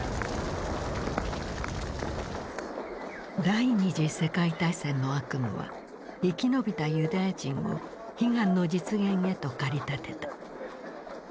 第二次世界大戦の悪夢は生き延びたユダヤ人を悲願の実現へと駆り立てた。